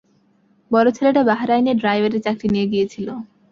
বড় ছেলেটা বাহরাইনে ড্রাইভারের চাকরি নিয়ে গিয়েছিল।